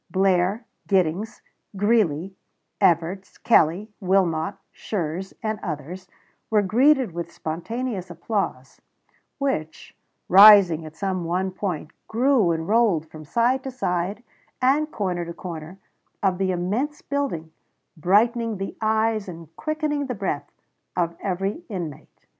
Blair, Giddings, Greeley, Evarts, Kelley, Wilmot, Schurz, and others were greeted with spontaneous applause, which, rising at some one point, grew and rolled from side to side and corner to corner of the immense building, brightening the eyes and quickening the breath of every inmate.